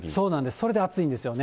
それで暑いんですよね。